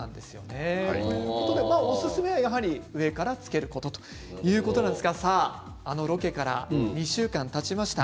おすすめはやはり上からつけることということなんですがあのロケから２週間たちました。